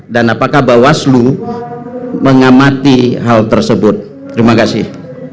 dan apakah bawaslu mengamati hal tersebut terima kasih